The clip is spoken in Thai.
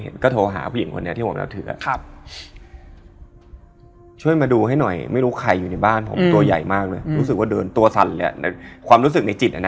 เป็นผู้ช่วยผู้จัดการแอร์